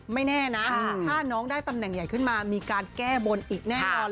ไม่แน่นะถ้าน้องได้ตำแหน่งใหญ่ขึ้นมามีการแก้บนอีกแน่นอน